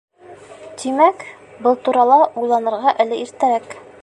Тимәк, был турала уйланырға әле иртәрәк.